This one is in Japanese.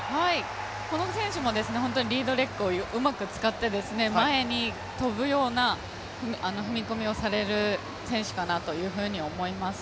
この選手も本当にリードレッグをうまく使って、前に跳ぶような踏み込みをされる選手かなと思います。